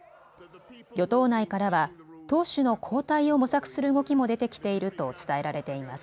与党内からは党首の交代を模索する動きも出てきていると伝えられています。